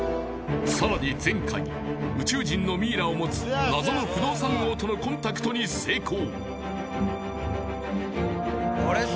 さらに前回宇宙人のミイラを持つ謎の不動産王とのコンタクトに成功！